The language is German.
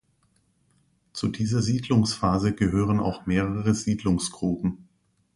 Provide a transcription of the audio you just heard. Zu dieser Siedlungsphase gehören auch mehrere Siedlungsgruben.